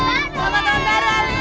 selamat tahun baru ali